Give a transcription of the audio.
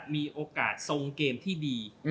มีโอกาสทรงเกมที่ดี